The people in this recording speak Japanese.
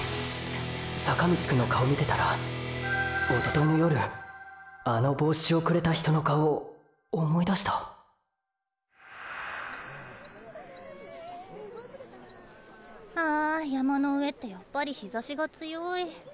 坂道くんの顔見てたら一昨日の夜あのボウシをくれた人の顔思い出したあー山の上ってやっぱり陽ざしが強い。